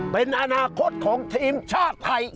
เป็นอนาคตของทีมชาติไทย